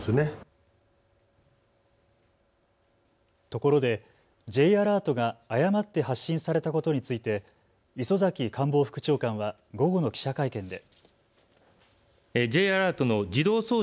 ところでＪアラートが誤って発信されたことについて磯崎官房副長官は午後の記者会見で。